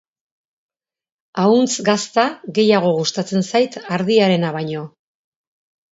Ahuntz gazta gehiago gustatzen zait ardiarena baino.